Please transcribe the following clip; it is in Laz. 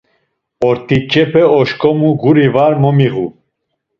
Ort̆iç̌epe oşǩomu guri var momiğu.